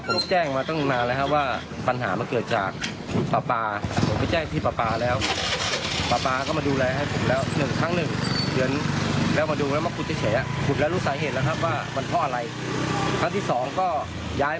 แล้วก็ห่างไปประมาณ๒อาทิตย์